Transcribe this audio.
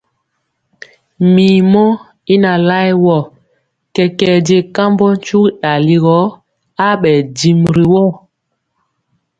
Mirmɔ y na laɛ wɔ, kɛkɛɛ je kambɔ tyugi dali gɔ abɛɛ dimi ri woo.